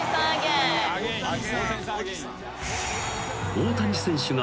［大谷選手が］